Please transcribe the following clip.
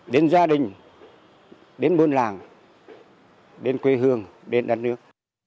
đến gia đình đến buôn làng đến quê hương đến đất nước